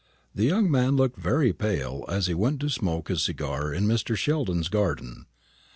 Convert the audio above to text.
The young man looked very pale as he went to smoke his cigar in Mr. Sheldon's garden.